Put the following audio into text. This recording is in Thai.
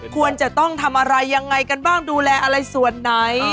ควรจะต้องทำอะไรยังไงกันบ้างดูแลอะไรส่วนไหน